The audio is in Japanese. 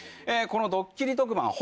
このどっきり特番